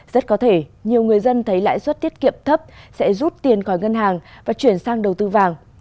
rất có thể nhiều người dân thấy lãi suất tiết kiệm thấp sẽ rút tiền khỏi ngân hàng và chuyển sang đầu tư vàng